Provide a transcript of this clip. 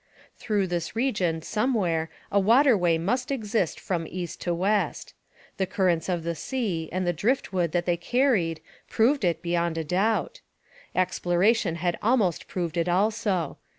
Through this region somewhere a water way must exist from east to west. The currents of the sea and the drift wood that they carried proved it beyond a doubt. Exploration had almost proved it also.